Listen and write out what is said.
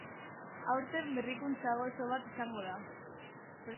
Aurten berrikuntza goxo bat izango da.